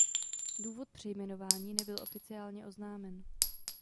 Důvod přejmenování nebyl oficiálně oznámen.